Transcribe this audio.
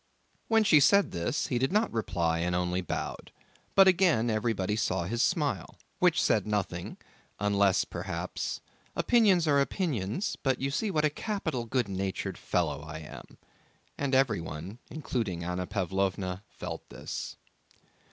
When she said this, he did not reply and only bowed, but again everybody saw his smile, which said nothing, unless perhaps, "Opinions are opinions, but you see what a capital, good natured fellow I am." And everyone, including Anna Pávlovna, felt this.